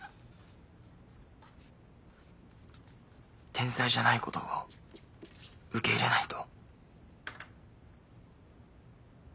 「天才じゃないことを受け入れないと」。